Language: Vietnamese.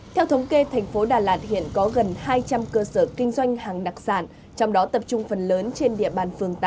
theo thống kê thành phố đà lạt hiện có gần hai trăm linh cơ sở kinh doanh hàng đặc sản trong đó tập trung phần lớn trên địa bàn phường tám